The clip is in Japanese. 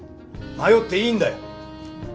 迷っていいんだよ。